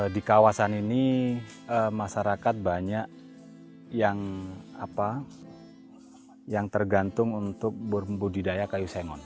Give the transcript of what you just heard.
di kawasan ini masyarakat banyak yang tergantung untuk membudidaya kayu sengon